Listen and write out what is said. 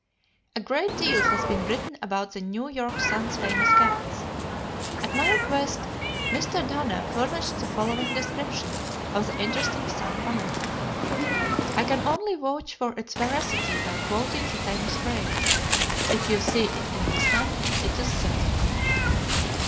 A great deal has been written about the New York Sun's famous cats. At my request, Mr. Dana furnished the following description of the interesting Sun family. I can only vouch for its veracity by quoting the famous phrase, "If you see it in the Sun, it is so."